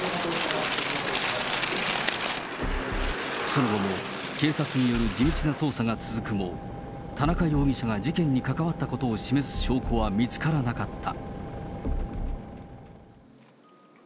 その後も警察による地道な捜査が続くも、田中容疑者が事件に関わったことを示す証拠は見つからなかった。